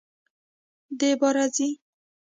دی باره ځي!